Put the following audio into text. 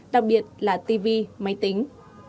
đặc biệt là tv máy tính